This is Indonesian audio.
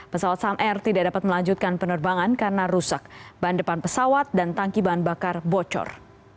pesawat sam air tidak dapat melanjutkan penerbangan karena rusak ban depan pesawat dan tangki bahan bakar bocor